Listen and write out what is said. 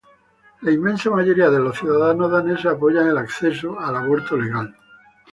La inmensa mayoría de los ciudadanos daneses apoyan el acceso al aborto legal.